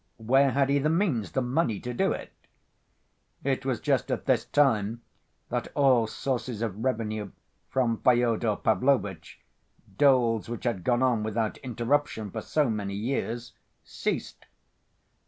Where had he the means, the money to do it? It was just at this time that all sources of revenue from Fyodor Pavlovitch, doles which had gone on without interruption for so many years, ceased.